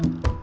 ya udah deh